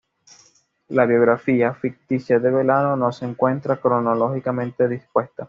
La "biografía" ficticia de Belano no se encuentra cronológicamente dispuesta.